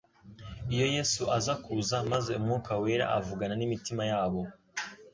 Iyo Yesu aza kuza, maze Umwuka Wera avugana n'imitima yabo